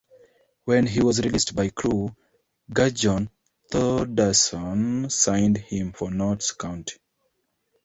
When he was released by Crewe, Gudjon Thordarson signed him for Notts County.